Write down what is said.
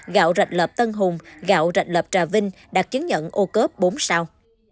gạo rạch lợp tân hùng gạo rạch lợp trà vinh đạt chứng nhận ô cớp bốn sao